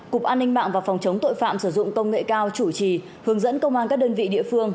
cục an ninh mạng và phòng chống tội phạm sử dụng công nghệ cao chủ trì hướng dẫn công an các đơn vị địa phương